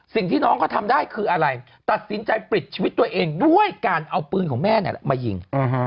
สิ่งที่น้องเขาทำได้คืออะไรตัดสินใจปลิดชีวิตตัวเองด้วยการเอาปืนของแม่มายิง